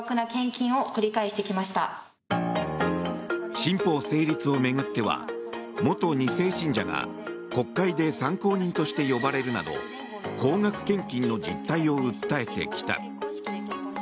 新法成立を巡っては元２世信者が国会で参考人として呼ばれるなど高額献金の実態を訴えてきた。